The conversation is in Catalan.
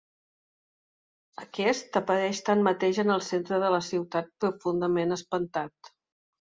Aquest apareix tanmateix en el centre de la ciutat, profundament espantat.